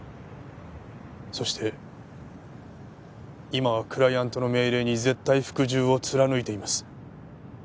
そして今はクライアントの命令に絶対服従を貫いています。